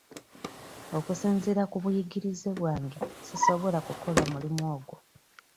Okusinziira ku buyigirize bwange sisobola kukola mulimu ogwo.